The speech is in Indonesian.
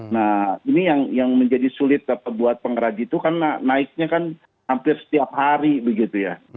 nah ini yang menjadi sulit buat pengraji itu karena naiknya kan hampir setiap hari begitu ya